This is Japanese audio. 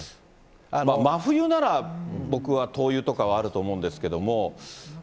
真冬なら僕は灯油とかはあると思うんですけども。